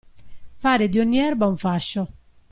Fare di ogni erba un fascio.